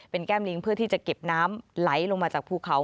เป็นแก้มลิงเพื่อที่จะเก็บน้ำไหลลงมาจากภูเขา